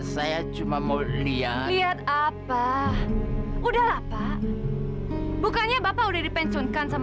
saya cuma mau lihat lihat apa udahlah pak bukannya bapak udah dipensiunkan sama